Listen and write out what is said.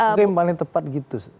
mungkin paling tepat gitu